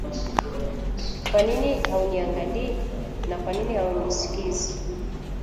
Kwa nini hauniangalii? Na Kwa Nini haunisikizi